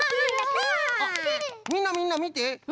みんなみんなみて！